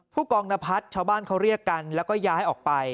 ผู้กองนพัฒน์ชาวบ้านเขาเรียกกันแล้วก็ย้ายออกไป